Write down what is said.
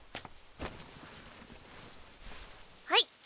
はい。